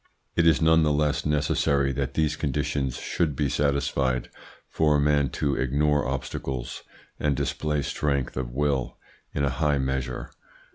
It is none the less necessary that these conditions should be satisfied for a man to ignore obstacles and display strength of will in a high measure.